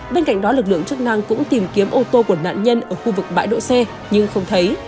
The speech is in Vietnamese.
bên cạnh đó lực lượng chức năng cũng tìm kiếm ô tô của nạn nhân ở khu vực bãi đỗ xe nhưng không thấy